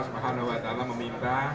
semangat allah meminta